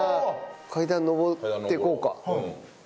階段上っていこうか。